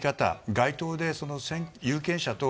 街頭で有権者と